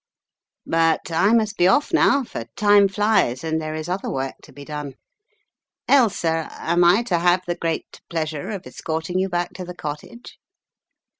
"But I must be off now, for time flies, and there is other work to be done. ••. Ailsa, am I to have the great pleasure of escorting you back to the Cottage?"